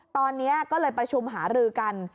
ตอนนี้ก็เลยประชุมหารือกัน